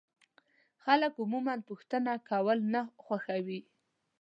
خلک عموما پوښتنه کول نه خوښوي.